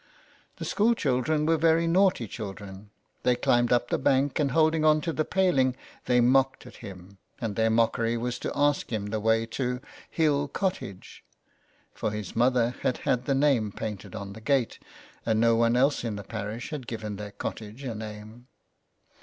The school children were very naughty children; they climbed up the bank, and, holding on to the paling, they mocked at him; and their mockery was to ask him the way to " Hill Cottage ;" for his 283 so ON HE FARES. mother had had the name painted on the gate, and no one else in the parish had given their cottage a name.